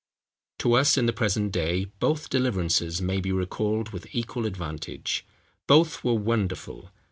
To us in the present day both deliverances may be recalled with equal advantage. Both were wonderful!